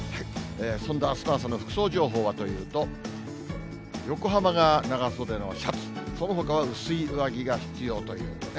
そんなあすの朝の服装情報はというと、横浜が長袖のシャツ、そのほかは薄い上着が必要というね。